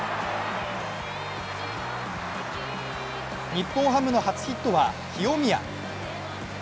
日本ハムの初ヒットは清宮。